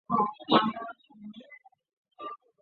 范正在其子年幼时已经身故。